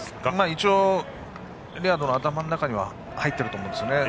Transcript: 一応レアードの頭の中には入っていると思います。